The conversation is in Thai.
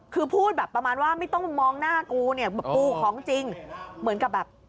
คือพูดแบบประมาณว่าไม่ต้องมองหน้ากูเนี่ยกูของจริงเหมือนกับแบบ